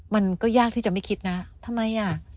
มันก็ยากที่จะไม่คิดนะทำไมอ่ะ